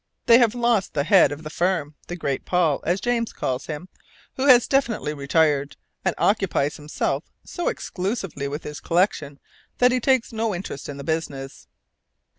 They have lost the head of the firm "the great Paul," as James calls him who has definitely retired, and occupies himself so exclusively with his collection that he takes no interest in the business.